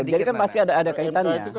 jadi kan pasti ada kaitannya